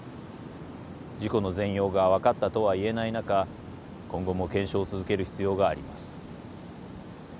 事故の全容が分かったとは言えない中今後も検証を続ける必要があります。